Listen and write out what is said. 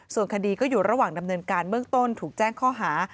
ส่วนคดีก็อยู่ระหว่างดำเนินการเบื้องต้นถูกแจ้งข้อหา